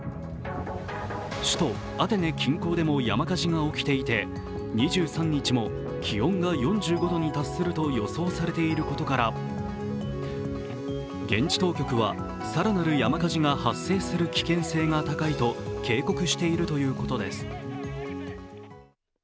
首都アテネ近郊でも山火事が起きていて２３日も気温が４５度に達すると予想されていることから現地当局は更なる山火事が発生する危険性が高いと警告しているということです。